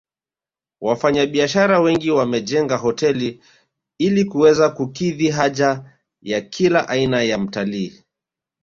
Wafanyabiashara wengi wamejenga hoteli ili kuweza kukidhi haja ya kila aina ya mtalii